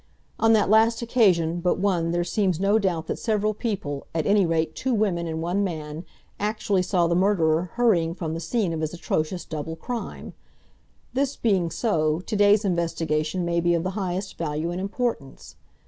On that last occasion but one there seems no doubt that several people, at any rate two women and one man, actually saw the murderer hurrying from the scene of his atrocious double crime—this being so, to day's investigation may be of the highest value and importance.